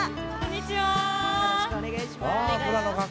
よろしくお願いします。